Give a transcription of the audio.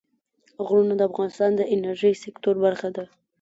غرونه د افغانستان د انرژۍ سکتور برخه ده.